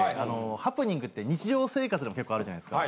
ハプニングって日常生活でも結構あるじゃないですか。